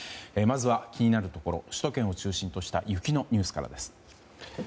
まずは気になるところ首都圏を中心とした雪のニュースからです。